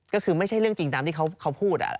ก็คือไม่ใช่เรื่องจริงตามที่เขาพูด